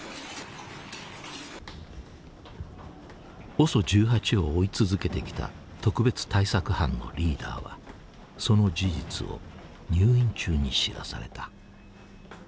ＯＳＯ１８を追い続けてきた特別対策班のリーダーはその事実を入院中に知らされた。